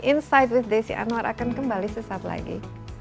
insight with desi anwar akan kembali sesaat lagi